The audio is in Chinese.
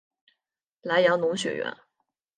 莱阳农学院。